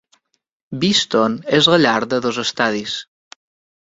Beeston és la llar de dos estadis.